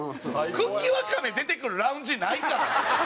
茎わかめ出てくるラウンジないから。